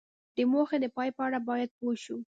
د موخې د پای په اړه باید پوه شو.